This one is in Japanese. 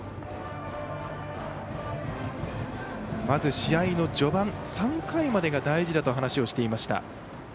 まず試合の序盤、３回までが大事だと話をしていました。